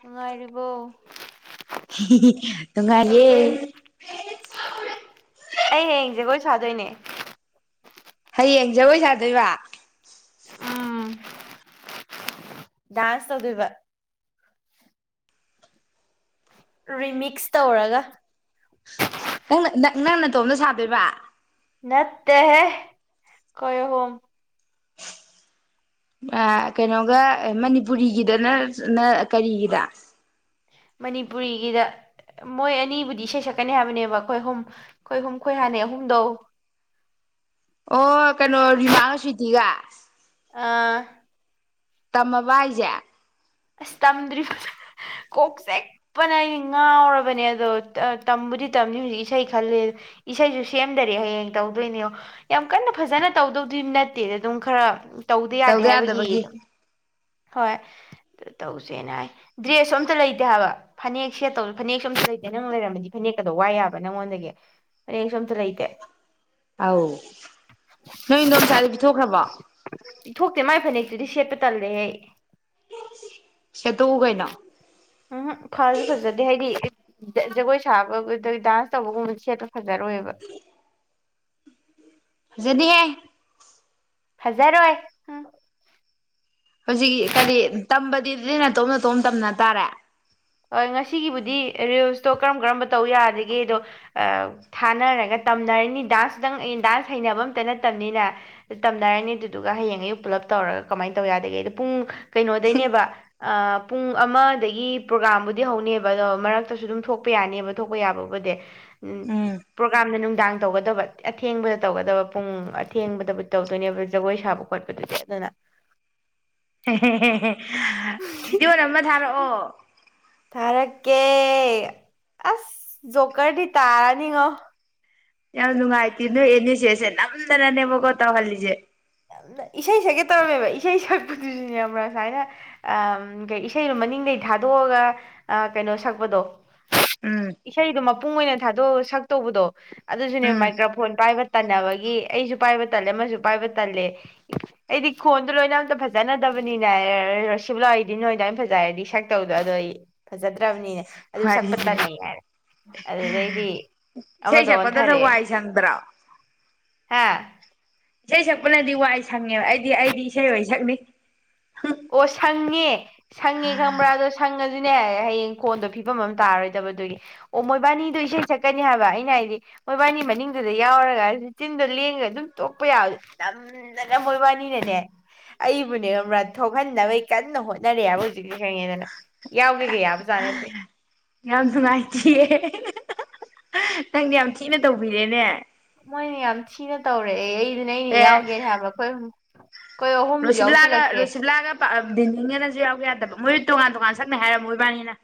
ꯅꯨꯡꯉꯥꯏꯔꯤꯕꯣ ꯉꯨꯡꯉꯥꯏꯑꯦ ꯑꯩ ꯍꯌꯦꯡ ꯖꯒꯣꯏ ꯁꯥꯗꯣꯏꯅꯦ ꯍꯌꯦꯡ ꯖꯒꯣꯏ ꯁꯥꯗꯣꯏꯕ ꯗꯥꯁ ꯇꯧꯗꯨꯕ ꯔꯤꯃꯤꯛꯁ ꯇꯧꯔꯒ ꯅꯪ-ꯅ-ꯅ-ꯅꯪ ꯅꯇꯣꯝꯇ ꯁꯥꯗꯣꯏꯕ ꯅꯠꯇꯦꯍꯦ ꯈꯣꯏ ꯑꯍꯨꯝ ꯑ ꯀꯩꯅꯣꯒ ꯃꯅꯤꯄꯨꯔꯤꯒꯤꯗꯅ ꯅ ꯀꯔꯤꯑꯕ ꯃꯅꯤꯄꯨꯔꯤꯒꯤꯗ ꯃꯣꯏ ꯑꯅꯤꯕꯨꯗꯤ ꯏꯁꯩ ꯁꯛꯀꯅꯤ ꯍꯥꯏꯕꯅꯦꯕ ꯑꯩꯈꯣꯏ ꯑꯍꯨꯝ ꯑꯩꯈꯣꯏ ꯍꯍꯨꯝ ꯈꯣꯏ ꯍꯥꯟꯅꯩ ꯑꯍꯨꯝꯗꯧ ꯑꯣ ꯀꯩꯅꯣ ꯔꯤꯃꯥꯒ ꯁ꯭ꯋꯤꯒ [unintelligible] ꯑꯥ ꯇꯝꯃꯕ ꯍꯥꯏꯁꯦ ꯑꯁ ꯇꯝꯗ꯭ꯔꯤ ꯀꯣꯛ ꯆꯤꯛꯄꯅ ꯑꯩ ꯉꯥꯎꯔꯕꯅꯦ ꯑꯗꯣ ꯇ-ꯇꯝꯕꯨꯗꯤ ꯇꯝꯅꯤ ꯍꯧꯖꯤꯛ ꯏꯁꯩ ꯈꯂꯤ ꯏꯁꯩꯁꯨ ꯁꯦꯝꯗꯔꯤ ꯍꯌꯦꯡ ꯇꯧꯗꯣꯏꯅꯦ ꯌꯥꯝ ꯀꯟꯅ ꯐꯖꯅ ꯇꯧꯗꯧꯗꯤ ꯅꯠꯇꯦ ꯑꯗꯨꯝ ꯈꯔꯥ ꯇꯧꯗ ꯌꯥꯗꯦ ꯍꯥꯏꯕꯒꯤ ꯍꯣꯏ ꯇꯧꯁꯦꯅ ꯍꯥꯏ ꯗ꯭ꯔꯦꯁꯁꯨ ꯑꯝꯇ ꯂꯩꯇꯦ ꯍꯥꯏꯕ ꯐꯅꯦꯛ ꯁꯦꯠꯇꯧ ꯐꯅꯦꯛꯁꯨ ꯑꯝꯇ ꯂꯩꯇꯦ ꯅꯪ ꯂꯩꯔꯝꯃꯗꯤ ꯐꯅꯦꯛꯀꯗꯣ ꯋꯥꯏ ꯌꯥꯕ ꯅꯪꯉꯣꯟꯗꯒꯤ ꯐꯅꯦꯛꯁꯨ ꯑꯝꯇ ꯂꯩꯇꯦ ꯑꯧ ꯅꯣꯏ ꯏꯟꯗꯣꯝ ꯆꯥꯏꯗꯣ ꯄꯤꯊꯣꯛꯈ꯭ꯔꯕꯣ ꯗꯨꯗꯤ ꯁꯦꯠꯄ ꯇꯜꯂꯦꯍꯦ ꯁꯦꯠꯇꯣꯛꯎ ꯀꯩꯅꯣ ꯎꯝ ꯍꯨꯝ ꯐꯥꯁꯨ ꯐꯖꯗꯦ ꯍꯥꯏꯗꯤ ꯖ-ꯖꯒꯣꯏ ꯁꯥꯕꯒꯗ ꯗꯥꯟꯁ ꯇꯧꯕꯒꯨꯝꯕꯗ ꯁꯦꯠꯄ ꯐꯖꯔꯣꯏꯕ ꯐꯖꯗꯦꯍꯦ ꯐꯖꯔꯣꯏ ꯍꯧꯖꯤꯛ ꯀꯔꯤ ꯇꯝꯕ [unintelligible] ꯅꯇꯣꯝ ꯅꯇꯣꯝ ꯇꯝꯅ ꯇꯥꯔꯦ ꯑ ꯉꯁꯤꯒꯤꯕꯨꯗꯤ ꯔꯤꯜꯁꯇꯣ ꯀꯔꯝ ꯀꯔꯝꯕ ꯇꯧ ꯌꯥꯗꯒꯦ ꯗꯣ ꯑ ꯊꯥꯅꯔꯒ ꯇꯝꯅꯔꯅꯤ ꯗꯥꯟꯁ ꯇꯨꯇꯪ ꯑꯩ ꯗꯥꯟꯁ ꯍꯩꯅꯕ ꯑꯝꯇ ꯅꯠꯇꯕꯅꯤꯅ ꯇꯝꯅꯔꯅꯤ ꯑꯗꯨꯗꯨꯒ ꯍꯌꯦꯡ ꯑꯌꯨꯛ ꯄꯨꯜꯂꯞ ꯇꯧꯔꯒ ꯀꯃꯥꯏꯅ ꯇꯧ ꯌꯥꯗꯒꯦ ꯑꯗꯣ ꯄꯨꯡ ꯀꯩꯅꯣꯗꯩꯅꯦꯕ ꯑ ꯄꯨꯡ ꯑꯃꯗꯒꯤ ꯄ꯭ꯔꯣꯒꯥꯝꯕꯨꯗꯤ ꯍꯧꯅꯦꯕ ꯑꯗꯣ ꯃꯔꯛꯇꯁꯨ ꯑꯗꯨꯝ ꯊꯣꯛꯄ ꯌꯥꯅꯦꯕ ꯊꯣꯛꯄ ꯌꯥꯕꯕꯨꯗꯤ ꯎꯝ ꯄ꯭ꯔꯣꯒꯥ꯭ꯔꯥꯝꯅ ꯅꯨꯡꯗꯥꯡ ꯇꯧꯒꯗꯕ ꯑꯊꯦꯡꯕꯗ ꯇꯧꯒꯗꯕ ꯄꯨꯡ ꯑꯊꯦꯡꯕꯗꯕꯨ ꯇꯧꯗꯣꯏꯅꯦꯕ ꯖꯒꯣꯏ ꯁꯥꯕ ꯈꯣꯠꯄꯗꯨꯗꯤ ꯑꯗꯨꯅ ꯍꯦ ꯍꯦ ꯍꯦ ꯍꯦ ꯚꯤꯗꯤꯑꯣ ꯅꯃ ꯊꯥꯔꯛꯑꯣ ꯊꯥꯔꯛꯀꯦ ꯑꯁ ꯖꯣꯀꯔꯗꯤ ꯇꯥꯔꯅꯤꯉꯣ ꯌꯥꯝ ꯅꯨꯡꯉꯥꯏꯇꯦ ꯅꯣꯏ ꯏꯅꯦ ꯆꯦꯁꯦ ꯅꯝꯗꯥꯅꯅꯦꯕꯀꯣ ꯇꯧꯍꯥꯜꯂꯤꯁꯦ꯫ ꯏꯁꯩ ꯁꯛꯀꯦ ꯇꯧꯔꯝꯃꯦꯕ ꯏꯁꯩ ꯁꯛꯄꯗꯨꯁꯨꯅꯦꯕ ꯁꯥꯏꯅ ꯑꯝ ꯀꯩ ꯏꯁꯩꯗꯣ ꯃꯅꯤꯡꯗꯩ ꯊꯥꯗꯣꯛꯑꯒ ꯑ ꯀꯩꯅꯣ ꯁꯛꯄꯗꯣ ꯎꯝ ꯏꯁꯩꯗꯣ ꯃꯄꯨꯡ ꯑꯣꯏꯅ ꯊꯥꯗꯣꯛꯑꯒ ꯁꯛꯇꯧꯕꯗꯣ ꯑꯗꯨꯁꯨꯅꯦ ꯎꯝ ꯃꯥꯏꯀ꯭ꯔꯣꯐꯣꯟ ꯄꯥꯏꯕ ꯇꯟꯅꯕꯒꯤ ꯑꯩꯁꯨ ꯄꯥꯏꯕ ꯇꯜꯂꯦ ꯑꯃꯁꯨ ꯄꯥꯏꯕ꯫ ꯇꯜꯂꯦ ꯑꯩꯗꯤ ꯈꯣꯟꯗꯣ ꯂꯣꯏꯅ ꯑꯝꯇ ꯐꯖꯅꯗꯕꯅꯤꯅ ꯔꯣꯁꯤꯕꯤꯅ ꯍꯣꯏ ꯅꯣꯏꯗꯨꯃꯥꯏꯅ ꯐꯖꯔꯗꯤ ꯁꯛꯇꯧꯗꯣ ꯑꯗꯣ ꯑꯩꯗꯤ ꯐꯖꯗ꯭ꯔꯕꯅꯤꯅ ꯑꯗꯨ ꯁꯛꯄ ꯋꯥꯔꯤꯁꯦ ꯇꯜꯂꯦ ꯍꯥꯏꯔꯦ ꯑꯗꯨꯗꯩꯗꯤ ꯏꯁꯩ ꯑꯃꯗ ꯁꯛꯄꯗꯅ ꯑꯣꯟꯊꯔꯦ ꯋꯥꯏ ꯁꯪꯗ꯭ꯔꯣ ꯍꯥ꯫ ꯏꯁꯩ ꯁꯛꯄꯅꯗꯤ ꯋꯥꯏ ꯁꯪꯉꯦꯕ ꯑꯩꯗꯤ ꯑꯩꯗꯤ ꯏꯁꯩ ꯑꯣꯏ ꯁꯛꯅꯤ꯫ ꯑꯣ ꯁꯠ ꯏꯡꯉꯦ ꯁꯪꯉꯦ ꯈꯪꯕ꯭ꯔꯥ ꯑꯗꯣ ꯁꯪꯉꯥ ꯑꯗꯨꯅꯦ ꯍꯥꯌꯦꯡ ꯈꯣꯟꯗꯣ ꯐꯤꯕꯝ ꯑꯃ ꯇꯥꯔꯥꯔꯣꯏꯗꯕ ꯑꯗꯨꯒꯤ ꯫ ꯑꯣ ꯃꯣꯏꯕꯥꯟꯅꯤꯗꯣ ꯏꯁꯩ ꯁꯛꯀꯅꯤ ꯍꯥꯏꯕ ꯑꯩꯅ ꯍꯥꯏꯗꯤ ꯃꯣꯏꯕꯥꯟꯅꯤ ꯃꯅꯤꯡꯗꯨꯗ ꯌꯥꯎꯔꯒ ꯆꯤꯟꯗꯣ ꯂꯦꯡꯒ ꯑꯗꯨꯝ ꯇꯣꯛꯄ ꯌꯥꯕ ꯅꯝꯗꯅ ꯃꯣꯏꯕꯥꯟꯅꯤꯅꯅꯦ ꯑꯩꯕꯨꯅꯦ ꯕ꯭ꯔꯥ ꯊꯣꯛ ꯍꯟꯅꯕꯩ ꯀꯟꯅ ꯍꯣꯠꯅꯔꯤ ꯍꯥꯏꯕ ꯍꯧꯖꯤꯛꯁꯦ ꯍꯌꯦꯡ ꯑꯅ ꯌꯥꯎꯒꯦꯒ ꯌꯥꯕ ꯖꯥꯠ ꯅꯠꯇꯦ꯫ ꯌꯥꯝ ꯅꯨꯡꯉꯥꯏꯇꯤꯌꯦꯌꯦꯍꯦ ꯅꯪꯗꯤ ꯌꯥꯝ ꯊꯤꯅ ꯇꯧꯕꯤꯔꯦꯅꯦ ꯃꯣꯏꯅꯦ ꯌꯥꯝ ꯊꯤꯅ ꯇꯧꯔꯛꯑꯦ ꯑꯩ ꯑꯗꯨꯅꯦ ꯑꯩꯩꯅ ꯌꯥꯎꯒꯦ ꯍꯥꯏꯕ ꯑꯩꯈꯣꯏ ꯑꯍꯨꯝ ꯔꯣꯁꯤꯕꯥꯂꯥꯒ ꯔꯣꯁꯤꯕꯥꯂꯥꯒ ꯕꯤꯝꯕꯤꯝꯒꯅꯁꯨ ꯌꯥꯎꯒꯦ ꯌꯥꯗꯕ ꯃꯣꯏ ꯇꯣꯉꯥꯟ ꯇꯣꯉꯥꯟ ꯁꯛꯅꯤ ꯍꯥꯏꯔꯕ ꯃꯣꯏꯕꯥꯟꯅꯤꯅ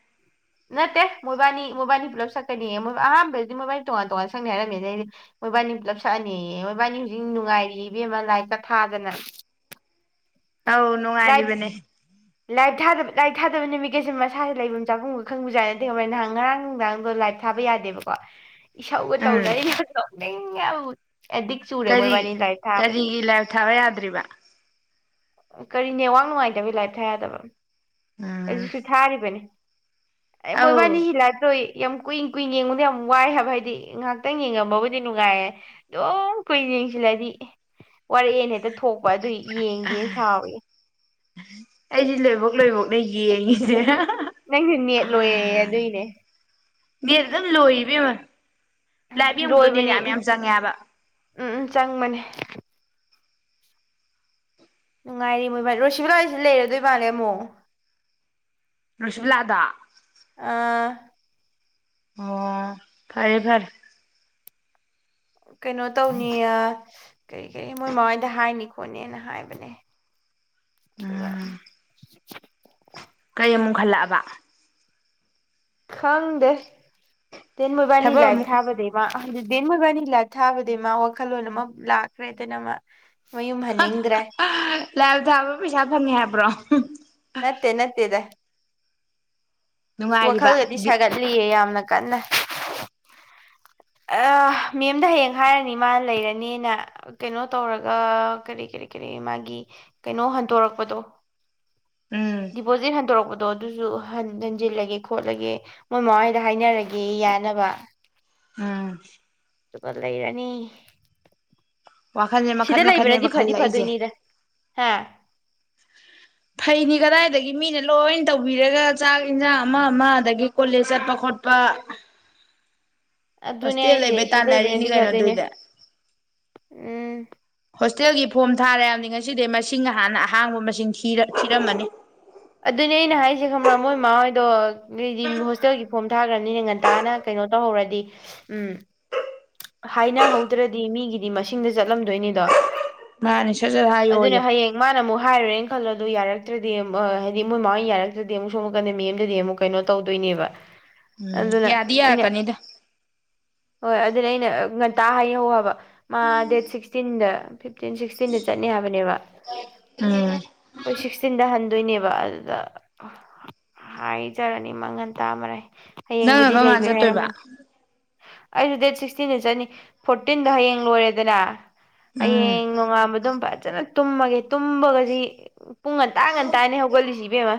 ꯅꯠꯇꯦ ꯃꯣꯏꯕꯥꯟꯅꯤ ꯃꯣꯏꯕꯥꯟꯅꯤ ꯄꯨꯂꯞ ꯁꯛꯀꯅꯦ ꯃꯣꯏ ꯑꯍꯥꯟꯕꯨꯗꯤ ꯃꯣꯏꯕꯥꯟꯅꯤ ꯇꯣꯉꯥꯟ ꯇꯣꯉꯥꯟꯅ ꯁꯛꯅꯤ ꯍꯥꯏꯔꯝꯃꯦ ꯑꯩꯗꯤ ꯃꯣꯏꯕꯥꯟꯅꯤ ꯄꯨꯜꯂꯞ ꯁꯛꯑꯅꯤꯌꯦ ꯃꯣꯏꯕꯥꯟꯅꯤ ꯍꯧꯖꯤꯛ ꯅꯨꯡꯉꯥꯏꯔꯤꯌꯦ ꯏꯕꯦꯝꯃ ꯂꯥꯏꯞꯀ ꯊꯥꯗꯅ ꯑꯧ ꯂꯥꯏꯞ ꯅꯨꯡꯉꯥꯏꯔꯤꯕꯅꯦ ꯂꯥꯏꯞ ꯊꯥꯗꯕ ꯂꯥꯏꯞ ꯊꯥꯗꯕ ꯅꯨꯃꯤꯠ ꯀꯩꯁꯦ ꯃꯁꯥꯁꯦ ꯂꯩꯐꯝ ꯆꯥꯐꯝꯒ ꯈꯪꯕ ꯖꯥꯠ ꯅꯠꯇꯦ ꯃꯣꯏ ꯅꯍꯥꯟ ꯉꯔꯥꯡ ꯅꯨꯡꯗꯥꯡꯗꯣ ꯂꯥꯏꯞ ꯊꯥꯕ ꯌꯥꯗꯦꯕꯀꯣ ꯏꯁꯧꯒ ꯎꯝ ꯇꯧꯅꯔꯤ ꯃꯌꯥꯝꯗꯣ ꯅꯪ ꯌꯥꯎꯑꯣ ꯀꯔꯤ ꯀꯔꯤꯒꯤ ꯂꯥꯏꯞ ꯊꯥꯕ ꯌꯥꯗ꯭ꯔꯤꯕ ꯀꯔꯤ ꯅꯦꯋꯥꯛ ꯅꯨꯡꯉꯥꯏꯇꯕꯒꯤ ꯂꯥꯏꯞ ꯊꯥ ꯌꯥꯗꯕ ꯎꯝ ꯍꯧꯖꯤꯛꯁꯨ ꯊꯥꯔꯤꯕꯅꯤ ꯑꯦ ꯃꯣꯏꯕꯥꯟꯅꯤ ꯑꯧ ꯂꯥꯏꯞ ꯇꯧꯏ ꯌꯥꯝ ꯀꯨꯏꯅ ꯀꯨꯏꯅ ꯌꯦꯡꯉꯨꯅꯨ ꯌꯥꯝ ꯋꯥꯏ ꯍꯥꯏꯕ ꯍꯥꯏꯗꯤ ꯉꯥꯏꯍꯥꯛꯇꯪ ꯌꯦꯡꯉꯝꯃꯕꯨꯗꯤ ꯅꯨꯡꯉꯥꯏꯌꯦ ꯑꯗꯨꯝ ꯀꯨꯏꯅ ꯌꯦꯡꯁꯤꯜꯂꯛꯑꯗꯤ ꯋꯥꯔꯛ ꯑꯦꯅ ꯍꯦꯛꯇ ꯄꯣꯛꯄ ꯑꯗꯨꯏ ꯌꯦꯡꯒꯦ ꯑꯩꯗꯤ ꯂꯣꯏꯕꯧ ꯅꯣꯏꯕꯣꯛꯅ ꯌꯦꯡꯉꯤꯁꯦ ꯅꯪꯁꯨ ꯅꯦꯠ ꯂꯣꯏꯌꯦ ꯑꯗꯨꯢꯅꯦ ꯅꯦꯠ ꯑꯗꯨꯝ ꯂꯣꯏ ꯏꯕꯦꯝꯃ ꯂꯥꯏꯚ ꯌꯦꯡꯕꯗꯣ ꯅꯦꯠ ꯂꯣꯏꯕꯅꯤ ꯌꯥꯝ ꯌꯥꯝ ꯆꯪꯉꯦ ꯍꯥꯏꯕ ꯎꯝ ꯎꯝ ꯆꯪꯕꯅꯦ ꯅꯨꯡꯉꯥꯏꯔꯤ ꯃꯣꯏꯕꯥꯟꯅꯤ ꯔꯣꯁꯤꯕꯥꯂꯥ ꯁꯤꯗ ꯂꯩꯔꯗꯣꯏ ꯃꯥꯂꯦ ꯑꯃꯨꯛ ꯔꯣꯁꯤꯕꯥꯂꯥꯗꯣ ꯑꯥ ꯑꯣ ꯐꯥꯔꯦ ꯐꯥꯔꯦ ꯀꯩꯅꯣ ꯇꯧꯅꯤꯌꯦ ꯑ ꯀꯔꯤ ꯀꯔꯤ ꯃꯣꯏ ꯃꯥ ꯍꯣꯏꯗ ꯍꯥꯏꯅꯤ ꯈꯣꯠꯅꯤꯅ ꯍꯥꯏꯕꯅꯦ ꯑꯗꯨꯒ [inaudible] ꯎꯝ ꯀꯩ ꯑꯃꯨꯛ ꯍꯜꯂꯛꯑꯕ ꯈꯪꯗꯦ ꯇꯦꯟ ꯃꯣꯏꯕꯥꯅꯤ ꯊꯕꯛ ꯂꯥꯏꯕ ꯑꯃꯨꯛ ꯊꯥꯕꯗꯩꯕ ꯑꯗꯨꯗꯤ ꯃꯣꯏꯕꯥꯅꯤ ꯂꯥꯞ ꯊꯥꯕꯗꯩ ꯃꯥ ꯋꯥꯈꯜꯂꯣꯟ ꯑꯃ ꯂꯥꯛꯈ꯭ꯔꯦꯗꯅ ꯃꯥ ꯃꯌꯨꯝ ꯍꯟꯅꯤꯡꯗ꯭ꯔꯦ ꯂꯥꯏꯚ ꯊꯥꯕ ꯄꯩꯁꯥ ꯐꯪꯉꯦ ꯍꯥꯏꯕ꯭ꯔꯣ ꯍꯝ ꯅꯠꯇꯦ ꯅꯠꯇꯦꯗ ꯑꯁ ꯅꯨꯡꯉꯥꯏꯔꯤꯕ ꯋꯥꯈꯜꯒꯗꯤ ꯕꯤ ꯁꯥꯒꯠꯂꯤꯌꯦ ꯌꯥꯝꯅ ꯀꯟꯅ ꯃꯦꯝꯗ ꯍꯌꯦꯡ ꯍꯥꯏꯔꯅꯤ ꯃꯥ ꯂꯩꯔꯅꯤꯅ ꯀꯩꯅꯣ ꯇꯧꯔꯒ ꯀꯔꯤ ꯀꯔꯤ ꯀꯔꯤ ꯃꯥꯒꯤ ꯀꯩꯅꯣ ꯍꯟꯗꯣꯔꯛꯄꯗꯣ ꯎꯝ ꯗꯤꯄꯣꯖꯤꯠ ꯍꯟꯗꯣꯔꯛꯄꯗ ꯑꯗꯣ ꯑꯗꯨꯁꯨ ꯍ ꯍꯟꯖꯤꯜꯂꯒꯦ ꯈꯣꯠꯂꯒꯦ ꯃꯣꯏ ꯃꯃꯥ ꯍꯣꯏꯗ ꯍꯥꯏꯅꯔꯒꯦꯌꯦ ꯌꯥꯅꯕ ꯎꯝ ꯑꯗꯨꯒ ꯂꯩꯔꯅꯤ ꯋꯥꯈꯜꯁꯦ ꯃꯈꯟ ꯁꯤꯗ ꯃꯈꯟꯅꯦꯕ ꯂꯩꯕꯅꯗꯤ ꯐꯗꯤ ꯈꯜꯂꯛꯏꯁꯦ ꯐꯗꯣꯏꯅꯤꯗ ꯍꯥ ꯐꯩꯅꯤ ꯀꯗꯥꯏꯗꯒꯤ ꯃꯤꯅ ꯂꯣꯏ ꯇꯧꯕꯤꯔꯒ ꯆꯥꯛ ꯌꯦꯟꯁꯥꯡ ꯑꯃ ꯑꯃ ꯑꯗꯒꯤ ꯀꯣꯂꯦꯖ ꯆꯠꯄ ꯈꯣꯠꯄ ꯑꯗꯨꯅꯦ ꯍꯣꯁꯇꯦꯜ ꯑꯩꯁꯦ ꯂꯩꯕꯩ ꯁꯤ ꯇꯥꯟꯅꯔꯤꯅꯤ ꯂꯩꯕꯅꯗꯤ ꯀꯩꯅꯣ ꯐꯗꯣꯏꯅꯦ ꯑꯗꯨꯏꯗꯤ ꯎꯝ ꯍꯣꯁꯇꯦꯜꯒꯤ ꯐꯣꯝ ꯊꯥꯔꯦꯍꯥꯏꯕꯅꯤ ꯉꯁꯤꯗꯩ ꯃꯁꯤꯡ ꯍꯥꯟꯅ ꯑꯍꯥꯡꯕ ꯃꯁꯤ ꯊꯤꯔ ꯊꯤꯔꯝꯃꯅꯤ ꯑꯗꯨꯅꯦ ꯑꯩꯅ ꯍꯥꯏꯁꯦ ꯈꯪꯕ꯭ꯔꯥ ꯃꯣꯏꯃꯥ ꯍꯣꯏꯗꯣ ꯒꯤꯗꯤ ꯍꯣꯁꯇꯦꯜꯒꯤ ꯐꯣꯝ ꯊꯥꯈꯒ꯭ꯔꯅꯤ ꯉꯟꯇꯥꯅ ꯀꯩꯅꯣ ꯇꯧꯍꯧꯔꯗꯤ ꯎꯝ ꯍꯥꯏꯅ ꯍꯧꯗ꯭ꯔꯗꯤ ꯃꯤꯒꯤꯗꯤ ꯃꯁꯤꯡꯗ ꯆꯠꯂꯝꯗꯣꯏꯅꯤꯗꯣ ꯃꯥꯅꯤ ꯁꯠ ꯁꯠ ꯍꯥꯏꯌꯣ ꯑꯗꯨꯅ ꯌꯣ ꯍꯌꯦꯡ ꯃꯥꯅ ꯑꯃꯨꯛ ꯍꯥꯏꯔꯨꯔꯦꯅ ꯈꯜꯂꯣ ꯑꯗꯨ ꯌꯥꯔꯛꯇ꯭ꯔꯗꯤ ꯍꯥꯏꯗꯤ ꯃꯣꯏ ꯃꯃꯥꯅ ꯌꯥꯔꯛꯇ꯭ꯔꯗꯤ ꯑꯃꯨꯛ ꯁꯣꯂꯛꯀꯅꯦ ꯃ ꯑꯦꯝꯗꯗꯤ ꯑꯃꯨꯛ ꯀꯩꯅꯣ ꯇꯧꯗꯣꯏꯅꯦꯕ ꯎꯝ ꯑꯗꯨꯅ ꯌꯥꯗꯤ ꯌꯥꯔꯛ ꯑꯩꯅ ꯀꯅꯤꯗ ꯍꯣꯏ ꯑꯗꯨꯅ ꯑꯩꯅ ꯉꯟꯇꯥ ꯍꯥꯏꯍꯧꯕ ꯃꯥ ꯗꯦꯠ ꯁꯤꯛꯁꯇꯤꯟ ꯗ ꯐꯤꯞꯇꯤꯟ ꯁꯤꯛꯁꯇꯤꯟꯗ ꯆꯠꯅꯤ ꯍꯥꯏꯕꯅꯦꯕ ꯎꯝ ꯑꯣꯏ ꯁꯤꯛꯁꯇꯤꯟꯗ ꯍꯟ ꯑꯗꯨꯏꯅꯦꯕ ꯑꯗꯨꯗ ꯍꯥꯏꯖꯔꯅꯤ ꯃ ꯉꯟꯇꯥ ꯃꯥꯔꯦꯏ ꯅꯪꯅ ꯀꯔꯝ ꯀꯥꯟ ꯆꯠꯇꯣꯏꯕ ꯑꯩꯁꯨ ꯗꯦꯠ ꯁꯤꯁꯇꯤꯟꯗ ꯆꯠꯅꯤ ꯐꯣꯔꯇꯤꯟꯗꯣ ꯍꯌꯦꯡ ꯂꯣꯏꯔꯦꯗꯅ ꯎꯝ ꯍꯌꯦꯡ ꯅꯣꯡꯉꯥꯟꯕꯗꯣꯝ ꯐꯖꯅ ꯇꯨꯝꯃꯒꯦ ꯇꯨꯝꯃꯒꯁꯤ ꯄꯨꯡ ꯉꯟꯇꯥ ꯉꯟꯇꯥꯅꯦ ꯍꯧꯒꯠꯂꯤꯁꯤ ꯏꯕꯦꯝꯃ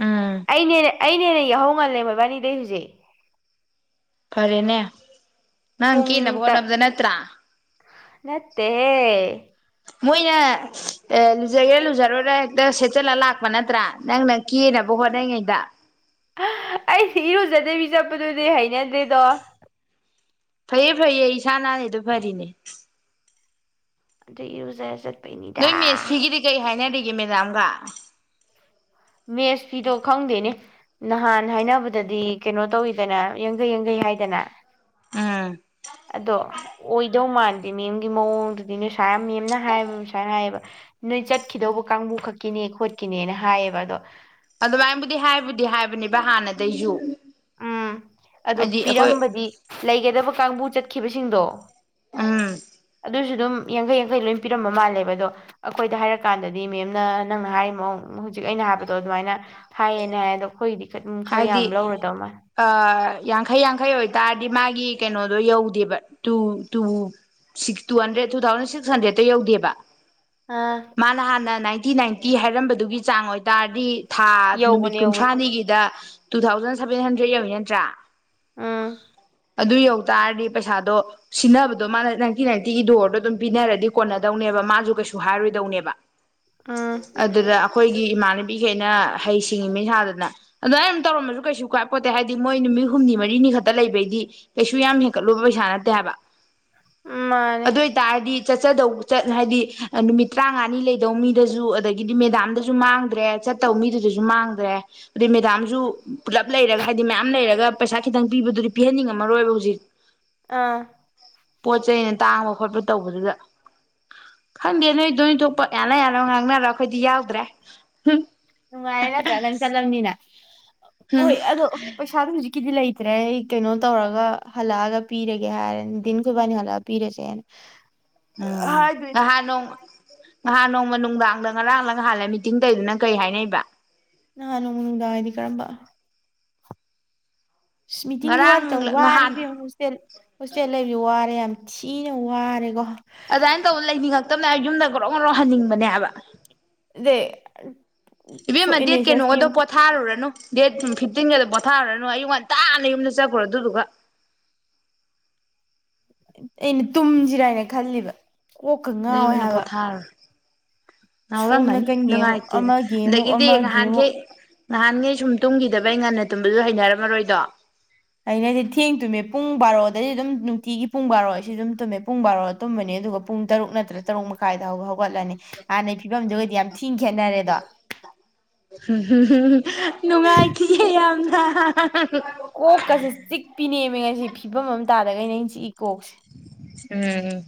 ꯎꯝ ꯑꯩꯅꯦ ꯑꯩꯅꯦ ꯍꯦꯟꯅ ꯌꯥꯎꯍꯧ ꯉꯜꯂꯦ ꯃꯣꯏꯕꯥꯅꯤꯗꯩ ꯍꯧꯖꯤꯛ ꯐꯔꯦꯅꯦ ꯅꯪ ꯀꯦꯅꯕ ꯍꯣꯅꯕꯗ ꯅꯠꯇ꯭ꯔꯥ ꯅꯠꯇꯦ ꯍꯦ ꯃꯣꯏꯅ ꯂꯨꯖꯒꯦꯔ ꯂꯨꯖꯔꯣꯏꯔ ꯍꯦꯛꯇ ꯁꯦꯠꯆꯜꯂ ꯂꯥꯛꯄ ꯅꯠꯇ꯭ꯔꯥ ꯅꯪꯅ ꯀꯦꯅꯕ ꯍꯣꯠꯅꯔꯤꯉꯩꯗ ꯑꯩꯁ ꯏꯔꯨꯖꯗꯕꯤ ꯆꯠꯄꯗꯨꯗꯤ ꯍꯩꯅ ꯗꯩꯗ ꯐꯩꯌꯦ [unintelligible] ꯐꯩꯌꯦ ꯏꯁꯥ ꯅꯥꯟꯂꯤꯗꯣ ꯐꯔꯤꯅꯦ ꯑꯗꯨ ꯏꯔꯨ ꯖꯔ ꯆꯠ ꯅꯣꯏ ꯃꯦꯁꯁꯤꯒꯤꯗꯤ ꯀꯔꯤ ꯍꯥꯏꯅꯔꯤ ꯃꯦꯗꯥꯝꯒ [unintelligible] ꯃꯦꯁ ꯐꯤꯗꯣ ꯈꯪꯗꯦꯅꯦ ꯅꯍꯥꯟ ꯍꯥꯏꯅꯕꯗꯗꯤ ꯀꯩꯅꯣ ꯇꯧꯋꯤꯗꯅ ꯌꯥꯡꯈꯩ ꯌꯥꯡꯈꯩ ꯍꯥꯏꯗꯅ ꯎꯝ ꯑꯗꯣ ꯑꯣꯏꯗꯧ ꯃꯥꯟ ꯃꯦꯝꯒꯤ ꯃꯑꯣꯡꯗꯨꯗꯤ ꯅꯣꯏ ꯁꯥ ꯃꯦꯝꯅ ꯍꯥꯏꯌꯦꯕ ꯁꯨꯃꯥꯏ ꯍꯥꯏꯌꯦꯕ ꯅꯣꯏ ꯆꯠꯈꯤꯗꯧꯕ ꯀꯥꯡꯕꯨ ꯈꯛꯀꯤꯅꯦ ꯈꯣꯠꯀꯤꯅꯦꯅ ꯍꯥꯏꯌꯦꯕ [unintelligible] ꯑꯗꯨꯃꯥꯏꯅꯕꯨꯗꯤ ꯍꯥꯏꯕꯨꯗꯤ ꯍꯥꯏꯕꯅꯦꯕ ꯍꯥꯟꯅꯗꯩꯁꯨ ꯎꯝ ꯑꯗꯨ ꯍꯥꯏꯗꯤ ꯑꯩꯈꯣꯏ ꯄꯤꯔꯝꯕꯗꯤ ꯂꯩꯒꯗꯕ ꯀꯥꯡꯕꯨ ꯆꯠꯈꯤꯕꯁꯤꯡꯗꯣ ꯎꯝ ꯑꯗꯨꯁꯨ ꯑꯗꯨꯝ ꯌꯥꯡꯈꯩ ꯌꯥꯡꯈꯩ ꯂꯣꯏ ꯄꯤꯔꯝꯕ ꯃꯥꯜꯂꯦꯕ ꯑꯗꯣ ꯑꯩꯈꯣꯏꯗ ꯍꯥꯏꯔꯀꯥꯟꯗꯗꯤ ꯃꯦꯝꯅ ꯅꯪꯅ ꯍꯥꯏꯔꯤꯃꯣ ꯍꯧꯖꯤꯛ ꯑꯩꯅ ꯍꯥꯏꯕꯗꯣ ꯑꯗꯨꯃꯥꯏꯅ ꯊꯥꯏꯌꯦꯅ ꯍꯥꯏ ꯑꯗꯣ ꯑꯩꯈꯣꯏꯒꯤꯗꯤ ꯑꯗꯨꯝ ꯈꯔ ꯌꯥꯝ ꯂꯧꯔꯅꯤ ꯑ ꯌꯥꯡꯈꯩ ꯌꯥꯡꯈꯩ ꯑꯣꯏꯇꯥꯔꯗꯤ ꯃꯥꯒꯤ ꯀꯩꯅꯣꯗꯣ ꯌꯧꯗꯦꯕ two two six two hundred two thousand six ꯍꯟꯗ꯭ꯔꯦꯗꯠꯇꯣ ꯌꯧꯗꯦꯕ ꯑꯥ [unintelligible] ꯏꯟꯇꯤ ꯅꯥꯏꯟꯇꯤ ꯍꯥꯏꯔꯝꯕꯗꯨꯒꯤ ꯆꯥꯡ ꯑꯣꯏꯇꯥꯔꯗꯤ ꯊꯥ ꯅꯨꯃꯤꯠ ꯌꯧꯕꯅꯦ ꯌꯧꯕꯅꯦ ꯀꯨꯟꯊ꯭ꯔꯥꯅꯤꯒꯤꯗ ꯇꯨ ꯊꯥꯎꯖꯟ ꯁꯚꯦꯟ ꯍꯟꯗ꯭ꯔꯦꯗ ꯌꯧꯏ ꯅꯠꯇ꯭ꯔꯥ ꯎꯝ ꯑꯗꯨ ꯌꯧ ꯇꯔꯗꯤ ꯄꯩꯁꯥꯗꯣ ꯁꯤꯟꯅꯕꯗꯣ ꯃꯥꯅ ꯅꯥꯏꯟꯇꯤ ꯅꯥꯏꯟꯇꯤꯒꯤ ꯗꯣꯔꯗꯣ ꯑꯗꯨꯝ ꯄꯤꯅꯔꯗꯤ ꯀꯣꯟꯅꯗꯧꯅꯦꯕ ꯃꯥꯁꯨ ꯀꯩꯁꯨ ꯍꯥꯏꯔꯣꯏꯗꯧꯅꯦꯕ ꯎꯝ ꯑꯗꯨꯗ ꯑꯩꯈꯣꯏꯒꯤ ꯏꯃꯥꯟ [unintelligible] ꯍꯩ ꯁꯤꯡꯉꯤ ꯃꯤꯁꯥꯗꯅ ꯑꯗꯨꯃꯥꯏ ꯇꯧꯔꯝꯃꯁꯨ ꯀꯩꯁꯨ ꯀꯥꯏꯄꯣꯠꯇꯦ ꯍꯥꯏꯗꯤ ꯃꯣꯏ ꯅꯨꯃꯤꯠ ꯍꯨꯝꯅꯤ ꯃꯔꯤꯅꯤ ꯈꯛꯇ ꯂꯩꯕꯩꯗꯤ ꯀꯩꯁꯨ ꯌꯥꯝ ꯍꯦꯟꯀꯠꯂꯨꯕ ꯄꯩꯁꯥ ꯅꯠꯇꯦ ꯍꯥꯏꯕ ꯎ ꯃꯥꯅꯦ ꯑꯗꯨ ꯑꯣꯏꯇꯥꯔꯗꯤ ꯆꯠꯆꯗꯧ ꯆꯠ ꯍꯥꯏꯗꯤ ꯅꯨꯃꯤꯠ ꯇꯔꯥꯉꯥꯅꯤ ꯂꯩꯗꯧ ꯃꯤꯗꯁꯨ ꯑꯗꯒꯤꯗꯤ ꯃꯦꯗꯥꯝꯗꯁꯨ ꯃꯥꯡꯗ꯭ꯔꯦ ꯆꯠꯇꯧ ꯃꯤꯗꯨꯗꯁꯨ ꯃꯥꯡꯗ꯭ꯔꯦ ꯑꯗꯨꯩ ꯃꯦꯗꯥꯝꯁꯨ ꯄꯨꯂꯞ ꯂꯩꯔꯒ ꯍꯥꯏꯗꯤ ꯃꯌꯥꯝ ꯂꯩꯔꯒ ꯄꯩꯁꯥ ꯈꯤꯇꯪ ꯄꯤꯕꯗꯨꯗꯤ ꯄꯤꯍꯟꯅꯤꯡꯉꯝꯃꯔꯣꯏꯕ ꯍꯧꯖꯤꯛ ꯑꯥ ꯄꯣꯠ ꯆꯩꯩꯅ ꯇꯥꯡꯕ ꯈꯣꯠꯄ ꯇꯧꯕꯗꯨꯗ ꯈꯪꯗꯦ ꯅꯣꯏꯗꯣꯏ ꯊꯣꯛꯄ ꯌꯥꯅ ꯌꯥꯅꯕ ꯉꯥꯡꯅꯔꯣ ꯑꯩꯈꯣꯏꯗꯤ ꯌꯥꯎꯗ꯭ꯔꯦ ꯅꯨꯡꯉꯥꯏ ꯅꯠꯇ꯭ꯔꯥ ꯅꯪ ꯆꯠꯂꯝꯅꯤꯅ ꯍꯣꯏ ꯑꯗꯣ ꯄꯩꯁꯥꯗꯣ ꯍꯧꯖꯤꯛ ꯀꯤꯗꯤ ꯂꯩꯇ꯭ꯔꯦ ꯑꯩ ꯀꯩꯅꯣ ꯇꯧꯔꯒ ꯍꯜꯂꯛꯑꯒ ꯄꯤꯔꯒꯦ ꯍꯥꯏꯔꯅꯤ ꯗꯤꯟ ꯈꯣꯏꯕꯥꯅꯤ ꯍꯜꯂꯛꯑꯒ ꯄꯤꯔꯁꯦꯅ ꯎꯝ ꯍꯥꯏꯗꯣꯏꯅꯦ ꯅꯍꯥ ꯅꯣꯡ ꯅꯍꯥꯟ ꯅꯣꯡꯃ ꯅꯨꯡꯗꯥꯡꯗ ꯉꯔꯥꯡꯂ ꯅꯍꯥꯟꯂ ꯃꯤꯇꯤꯡ ꯇꯧꯏꯗꯨꯅ ꯀꯩ ꯍꯥꯏꯅꯩꯕ ꯅꯍꯥꯟ ꯅꯣꯡ ꯅꯨꯡꯗꯥ ꯍꯥꯏꯗꯤ ꯀꯔꯝꯕ ꯃꯤꯇꯤꯡꯒꯤ ꯉꯔꯥꯡ ꯋꯥꯔꯤ ꯇꯧ ꯋꯥꯔꯤ ꯉꯍꯥꯟ ꯍꯣꯁꯇꯦꯜ ꯍꯣꯁꯇꯦꯜ ꯂꯩꯌꯣ ꯋꯥꯔꯦ ꯌꯥꯝ ꯊꯤꯅ ꯋꯥꯔꯦꯒꯣ ꯑꯗꯨꯃꯥꯏꯅ ꯇꯧꯕ ꯂꯩꯅꯤꯡꯉꯛꯇꯕꯅꯦ ꯑꯩ ꯌꯨꯝꯗ ꯉꯣꯔꯧ ꯉꯣꯔꯧ ꯍꯟꯅꯤꯡꯕꯅꯦ ꯍꯥꯢꯕ ꯗ ꯏꯕꯦꯝꯃ ꯗꯦꯠ ꯁꯣꯛꯏꯅꯦꯖ ꯑꯥꯏ ꯀꯩꯅꯣꯒꯗꯣ ꯁ꯭ꯀꯤꯝ ꯄꯣꯊꯥꯔꯨꯔꯅꯨ ꯗꯦꯠ ꯐꯤꯞꯇꯤꯟꯒ ꯑꯗꯨꯝ ꯄꯣꯊꯥꯔꯨꯔꯅꯨ ꯑꯌꯨꯛ ꯉꯟꯇꯥꯥꯟꯅ ꯌꯨꯝꯗ ꯆꯠꯈ꯭ꯔꯣ ꯑꯗꯨꯗꯨꯒ ꯑꯩꯅ ꯇꯨꯝꯖꯤꯔꯥ ꯍꯥꯏꯅ ꯈꯜꯂꯤꯕ ꯀꯪꯛꯀ ꯉꯥꯎꯋꯦ ꯅꯌꯨꯝꯗ ꯍꯥꯏꯕ ꯄꯣꯊꯥꯔꯣ ꯁꯣꯝ ꯉꯥꯎꯔꯝꯃꯅꯤ ꯅꯥꯀꯟꯒꯤ ꯑꯃꯨꯛ ꯅꯨꯡꯉꯥꯏꯇꯦꯅ ꯑꯃꯒꯤ ꯑꯃꯨꯛ ꯑꯗꯒꯤꯗꯤ ꯑꯃꯒꯤ ꯅꯍꯥꯟꯈꯤ ꯑꯃꯨꯛ ꯅꯍꯥꯟꯒ ꯁꯨꯝ ꯇꯨꯝꯈꯤꯗꯕꯩ ꯉꯟꯅ ꯇꯨꯝꯕꯁꯨ ꯍꯩꯅꯔꯝꯃꯔꯣꯏꯗꯣ ꯑꯩꯅꯗꯤ ꯊꯦꯡ ꯇꯨꯝꯃꯦ ꯄꯨꯡ ꯕꯥꯔꯣꯗꯗꯤ ꯑꯗꯨꯝ ꯅꯨꯡꯇꯤꯒꯤ ꯄꯨꯡ ꯕꯥꯔꯣ ꯑꯩꯁꯤ ꯑꯗꯨꯝ ꯇꯨꯝꯃꯦ ꯄꯨꯡ ꯕꯥꯔꯣ ꯇꯨꯝꯕꯅꯤ ꯑꯗꯨꯒ ꯄꯨꯡ ꯇꯔꯨꯛ ꯅꯠꯇ꯭ꯔꯒ ꯇꯔꯨꯛ ꯃꯈꯥꯏꯗ ꯍꯧꯒꯠꯂꯅꯤ ꯍꯥꯟꯅꯩ ꯐꯤꯕꯝꯗꯨ ꯑꯣꯢꯗꯤ ꯌꯥꯝ ꯊꯤ ꯅꯨꯡꯉꯥꯏꯈꯤꯑꯦ ꯌꯥꯝꯅ ꯍ ꯍ ꯍ ꯀꯣꯛꯀꯁꯦ ꯆꯤꯛꯄꯤ ꯅꯦꯃꯦ ꯉꯁꯤ ꯐꯤꯕꯝ ꯑꯃ ꯇꯥ ꯗꯩꯅꯦ ꯑꯩ ꯆꯤꯛꯏ ꯀꯣꯛꯁ ꯎꯝ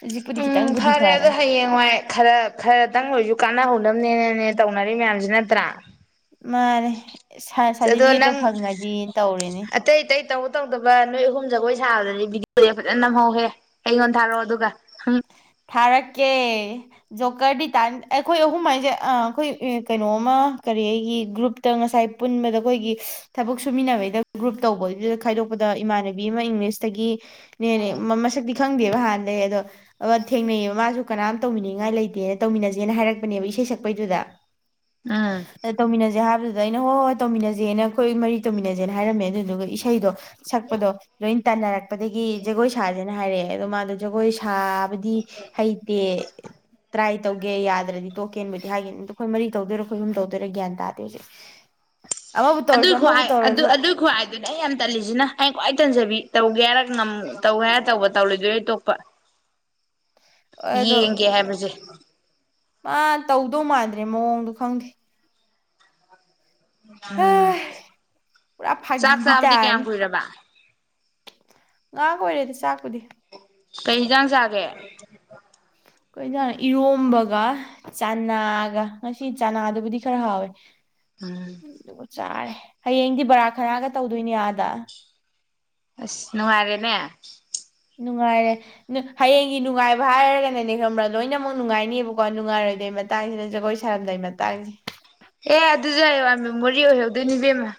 ꯍꯧꯖꯤꯛꯄꯨꯗꯤ ꯎꯝ ꯈꯤꯇꯪꯕꯨꯗꯤ ꯐꯔꯦ ꯑꯗꯣ ꯍꯌꯦꯡꯋꯥꯏ ꯈꯔ ꯈꯔꯗꯪ ꯑꯣꯏꯁꯨ ꯀꯥꯟꯅꯍꯧꯅꯕꯅꯦꯅꯦ ꯇꯧꯅꯔꯤ ꯃꯌꯥꯝꯁꯦ ꯅꯠꯇ꯭ꯔꯥ ꯃꯥꯅꯦ ꯁꯥ ꯑꯗꯣ ꯁꯥꯔꯇꯤꯐꯤꯀꯦꯠꯇꯣ ꯅꯪ ꯐꯪꯉꯗꯤ ꯇꯧꯔꯤꯅꯤ ꯑꯇꯩ ꯑꯇꯩ ꯇꯧ ꯇꯧꯗꯕ ꯅꯣꯏ ꯑꯍꯨꯝ ꯖꯒꯣꯏ ꯁꯥꯕꯗꯗꯤ ꯕꯤꯗꯤꯑꯣ ꯐꯖꯅ ꯅꯝꯍꯧꯒꯦ ꯑꯩꯉꯣꯟ ꯊꯥꯔꯛꯑꯣ ꯑꯗꯨꯒ ꯍꯨꯝ ꯊꯥꯔꯛꯀꯦ ꯖꯣꯀꯔꯗꯤ ꯇꯥꯜ ꯑꯩꯈꯣꯏ ꯑꯍꯨꯝ ꯃꯔꯤꯖ ꯑꯥ ꯑꯩꯈꯣꯏ ꯀꯩꯅꯣꯃ ꯀꯔꯤ ꯑꯩꯒꯤ ꯒ꯭ꯔꯨꯞꯇ ꯉꯁꯥꯏ ꯄꯨꯟꯕꯗ ꯑꯩꯈꯣꯏꯒꯤ ꯊꯕꯛ ꯁꯨꯃꯤꯟꯅꯕꯩꯗ ꯒ꯭ꯔꯨꯞ ꯇꯧꯕꯗꯨꯗ ꯈꯥꯏꯗꯣꯛꯄꯗ ꯏꯃꯥꯟꯅꯕꯤ ꯑꯃ ꯏꯪꯂꯤꯁꯇꯒꯤꯅꯦ ꯃꯁꯛꯇꯤ ꯈꯪꯗꯦꯕ ꯍꯥꯟꯅꯗꯩ ꯑꯗꯣ ꯊꯦꯡꯅꯩꯕ ꯃꯥꯁꯨ ꯀꯅꯥꯝ ꯇꯧꯃꯤꯅꯤꯉꯥꯏ ꯂꯩꯇꯦꯅ ꯇꯧꯃꯤꯟꯅꯁꯦꯅ ꯍꯥꯏꯔꯛꯄꯅꯦꯕ ꯏꯁꯩ ꯁꯛꯄꯩꯗꯨꯗ ꯎꯝ ꯑ ꯇꯧꯃꯤꯟꯅꯁꯦ ꯍꯥꯏꯕ ꯑꯗꯣ ꯑꯩꯅ ꯍꯣꯏ ꯍꯣꯏ ꯇꯧꯃꯤꯟꯅꯁꯦꯅ ꯑꯩꯈꯣꯏ ꯃꯔꯤ ꯇꯧꯃꯤꯟꯅꯁꯦꯅ ꯍꯥꯏꯔꯝꯃꯦ ꯑꯗꯨꯗꯨꯒ ꯏꯁꯩꯗꯣ ꯁꯛꯄꯗꯣ ꯂꯣꯏꯅ ꯇꯥꯟꯟꯅꯔꯛꯄꯗꯒꯤ ꯖꯒꯣꯏ ꯁꯥꯁꯦꯅ ꯍꯥꯏꯔꯛꯑꯦ ꯑꯗꯣ ꯃꯥꯗꯣ ꯖꯒꯣꯏ ꯁꯥ ꯗꯤ ꯍꯩꯇꯦ ꯇ꯭ꯔꯥꯏ ꯇꯧꯒꯦ ꯌꯥꯗ꯭ꯔꯗꯤ ꯇꯣꯛꯀꯦꯕꯨꯗꯤ ꯍꯥꯏꯒꯤꯅꯤ ꯑꯗ ꯑꯩꯈꯣꯏ ꯃꯔꯤ ꯇꯧꯗꯣꯏꯔꯣ ꯑꯩꯈꯣꯏ ꯑꯍꯨꯝ ꯇꯧꯗꯣꯏꯔꯣ ꯒ꯭ꯌꯥꯟ ꯇꯥꯗꯦ ꯑꯩꯁꯨ ꯑꯗꯨꯏ ꯈꯋꯥꯏ ꯑꯗꯨ ꯑꯗꯨ ꯈ ꯨꯍꯥꯏꯏꯗꯨꯅꯦ ꯑꯩ ꯌꯥꯝ ꯇꯜꯂꯤꯖꯤꯅ ꯑꯩ ꯈ꯭ꯋꯥꯏ ꯇꯟꯖꯕꯤ ꯇꯧꯒꯦ ꯍꯥꯏꯔ ꯉꯝ ꯇꯧꯒꯦ ꯍꯥꯏꯔ ꯇꯧꯕ ꯇꯧꯔꯣꯏꯗꯣꯏ ꯑꯣꯏꯔ ꯇꯣꯛꯄ ꯑꯗꯣ ꯌꯦꯡꯒꯦ ꯍꯥꯏꯕꯁꯦ ꯃꯥ ꯇꯧꯗꯧ ꯃꯥꯟꯗ꯭ꯔꯦ ꯃꯑꯣꯡꯗꯣ ꯈꯪꯗꯦ ꯎꯝ ꯄꯨꯔꯥ ꯆꯥꯛ ꯐꯥꯒꯤꯗꯤ ꯆꯥꯕꯗꯤ ꯀꯌꯥꯝ ꯇꯥꯔꯅꯤ ꯀꯨꯏꯔꯕ ꯑꯣꯏꯔꯦꯗꯤ ꯆꯥꯛ ꯄꯨꯗꯤ ꯀꯩ ꯏꯟꯁꯥꯡ ꯆꯥꯒꯦ ꯀꯩ ꯏꯟꯖꯥꯡ ꯔꯣꯝꯕꯒ ꯆꯥꯅꯥꯒ ꯉꯁꯤ ꯆꯥꯅꯥꯗꯨꯕꯨꯗꯤ ꯈꯔ ꯍꯥꯎꯋꯦ ꯎꯝ ꯑꯗꯨꯒ ꯆꯥꯔꯦ ꯍꯌꯦꯡꯗꯤ ꯕꯔꯥ ꯈꯅꯥꯒ ꯇꯧꯗꯣꯏꯅꯤ ꯑꯥꯗ ꯑꯁ ꯅꯨꯡꯉꯥꯏꯔꯦꯅꯦ ꯅꯨꯡꯉꯥꯏꯔꯦ ꯍꯌꯦꯡꯒꯤ ꯅꯨꯡꯉꯥꯏꯕ ꯍꯥꯏꯔꯒꯅꯅꯦ ꯈꯡꯕ꯭ꯔꯥ ꯂꯣꯏꯅꯃꯛ ꯅꯨꯡꯉꯥꯏꯅꯤꯕꯀꯣ ꯅꯨꯡꯉꯥꯏꯔꯣꯏꯗꯣꯏꯕ ꯃꯇꯥꯡꯁꯤꯅ ꯖꯒꯣꯏ ꯁꯥꯔꯝꯗꯥꯏ ꯃꯇꯥꯡꯁꯦ ꯑꯦ ꯑꯗꯨꯁꯨ ꯍꯌꯦꯡꯋꯥꯏ ꯃꯦꯃꯣꯔꯤ ꯑꯣꯏꯍꯧꯗꯣꯏꯅꯦ ꯏꯕꯦꯝꯃ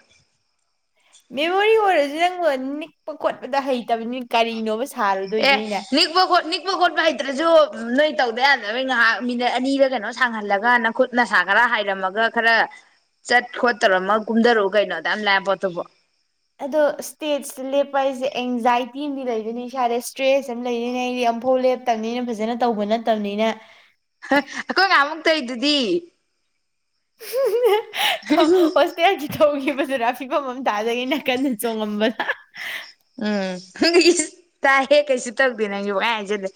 ꯃꯤꯑꯣꯢ ꯑꯣꯏꯔꯁꯨ ꯅꯪꯕꯣ ꯅꯤꯛꯄ ꯈꯣꯠꯄꯗ ꯍꯩꯇꯕꯅꯤ ꯀꯔꯤꯅꯣꯕ ꯁꯤ ꯑꯦ ꯅꯤꯛꯄ ꯈꯣꯠ ꯅꯤꯛꯄ ꯈꯣꯠꯄ ꯍꯩꯇ꯭ꯔꯁꯨ ꯅꯣꯏ ꯇꯧꯗ ꯌꯥꯗꯕꯩ ꯉꯥꯏꯍꯥꯛ ꯃꯤꯅꯠ ꯑꯅꯤꯔ ꯀꯩꯅꯣ ꯁꯥꯡꯍꯜꯂꯒ ꯅꯥꯈꯨꯠ ꯅꯁꯥ ꯈꯔ ꯍꯥꯏꯔꯝꯃꯒ ꯈꯔ ꯆꯠ ꯈꯣꯠꯇꯧꯔꯃ ꯀꯨꯝꯊꯔꯛꯎ ꯀꯩꯅꯣ ꯑꯗꯥꯝ ꯂꯥꯏ ꯄꯣꯠꯇꯨꯕꯣ ꯑꯗꯣ ꯏꯁꯇꯦꯠꯁꯇ ꯂꯦꯞꯄ ꯍꯥꯏꯁꯦ ꯑꯦꯡꯖꯥꯏꯇꯤ ꯑꯃꯗꯤ ꯂꯩꯔꯅꯤ ꯏꯁꯥꯁꯦ ꯏꯁꯇ꯭ꯔꯦꯁ ꯑꯃ ꯂꯩꯗꯣꯏꯅꯦ ꯑꯩꯗꯤ ꯑꯃꯝꯐꯥꯎ ꯂꯦꯞꯇꯕꯅꯤꯅ ꯐꯖꯅ ꯇꯧꯕ ꯅꯠꯇꯕꯅꯤꯅ ꯑꯩꯈꯣꯏ ꯉꯍꯥꯟꯃꯨꯛ ꯇꯩꯏꯗꯨꯗꯤ ꯍꯣ ꯍꯣꯁꯇꯦꯜꯒꯤ ꯇꯣꯡꯌꯨ ꯁꯨꯔ ꯐꯤꯕꯝ ꯑꯃꯝ ꯇꯥꯗꯒꯤ ꯅꯥ ꯀꯟꯗ ꯆꯣꯡꯉꯝꯕꯗ ꯏꯁꯏꯁ ꯇꯥꯏꯍꯦ ꯀꯩꯁꯨ ꯇꯧꯗꯦ ꯅꯪꯁꯨ ꯄꯨꯡꯍꯥꯏ ꯍꯥꯏꯖꯂꯦ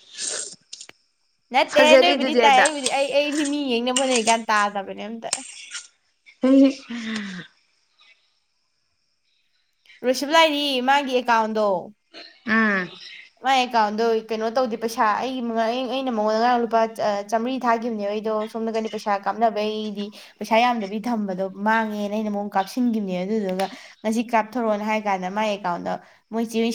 ꯅꯠꯇꯦ ꯅꯣꯏꯕꯨꯗꯤ ꯇꯥꯏ ꯑꯩꯕꯨꯗꯤ ꯑꯩ ꯑꯩꯗꯤ ꯃꯤ ꯌꯦꯡꯅꯕ ꯍꯣꯠꯅꯩ ꯒꯌꯥꯟ ꯇꯥꯗꯕꯅꯦ ꯑꯝꯇ ꯍ ꯔꯨꯁꯤꯕꯂꯥꯢꯅꯤ ꯃꯥꯒꯤ ꯑꯦꯀꯥꯎꯟꯗꯣ ꯎꯝ ꯃꯥꯏ ꯑꯦꯀꯥꯎꯟꯗꯣ ꯀꯩꯅꯣ ꯇꯧꯗꯦ ꯄꯩꯁꯥ ꯑꯩꯒꯤ ꯃ ꯑꯩ ꯑꯩꯅ ꯃꯉꯣꯟꯗ ꯉꯔꯥꯡ ꯂꯨꯄꯥ ꯑ ꯆꯥꯝꯃꯔꯤ ꯊꯥꯈꯤꯕꯅꯦ ꯑꯩꯗꯣ ꯁꯣꯝꯗ ꯀꯟꯅ ꯄꯩꯁꯥ ꯀꯥꯞꯅꯕꯒꯤꯗꯤ ꯄꯩꯁꯥ ꯌꯥꯝꯗꯕꯤ ꯊꯝꯕꯗꯣ ꯃꯥꯡꯉꯦꯅ ꯑꯩꯅ ꯃꯉꯣꯟꯗ ꯀꯥꯞꯁꯤꯟꯒꯤꯝꯅꯦ ꯑꯗꯨꯗꯨꯒ ꯉꯁꯤ ꯀꯥꯞꯊꯣꯔꯣꯑꯣꯅ ꯍꯥꯏ ꯀꯥꯟꯗ ꯃꯥꯥꯏ ꯑꯦꯀꯥꯎꯟꯗ ꯃꯣꯏ ꯆꯦꯁꯤ